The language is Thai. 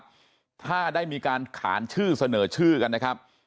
ในวันพรุ่งนี้นะครับถ้าได้มีการขานชื่อเสนอชื่อกันนะครับ